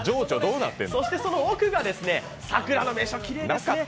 そしてその奥が、桜の名所きれいですね。